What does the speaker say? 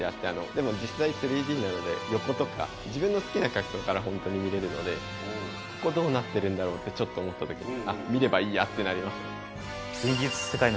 でも実際３Ｄなので横とか自分の好きな角度からホントに見れるのでここどうなってるんだろう？ってちょっと思った時にあっ見ればいいやってなります。